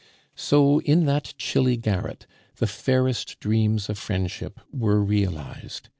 So, in that chilly garret, the fairest dreams of friendship were realized.